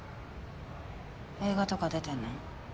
映画とか出てんの？